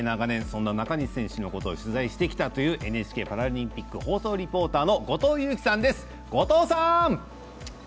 中西選手のことを長年取材してきたというＮＨＫパラリンピック放送リポーターの後藤佑季さんです！